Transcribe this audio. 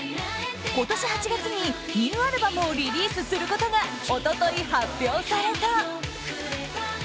今年８月に、ニューアルバムをリリースすることが一昨日、発表された。